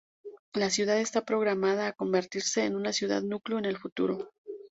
La ciudad está programada a convertirse en una ciudad- núcleo en el futuro.